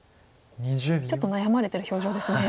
ちょっと悩まれてる表情ですね。